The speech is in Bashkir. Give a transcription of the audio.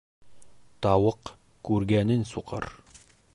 Тауыҡ күргәнен суҡыр.